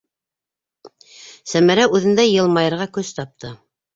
- Сәмәрә үҙендә йылмайырға көс тапты.